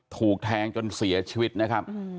ถูกแทงจนเสียชีวิตนะครับ